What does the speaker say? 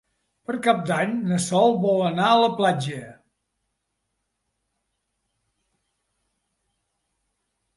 Per Cap d'Any na Sol vol anar a la platja.